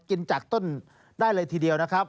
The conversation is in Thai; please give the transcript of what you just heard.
กินจากต้นได้เลยทีเดียวนะครับ